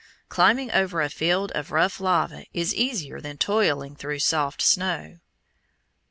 Climbing over a field of rough lava is easier than toiling through soft snow.